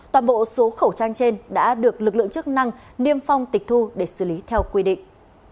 toàn bộ số khẩu trang trên đã được lực lượng chức năng niêm phong tịch thu để xử lý theo quy định